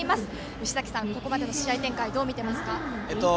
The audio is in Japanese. よしざきさん、ここまでの試合展開、どう見ていますか。